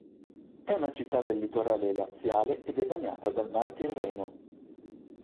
È una città del litorale laziale ed è bagnata dal Mar Tirreno.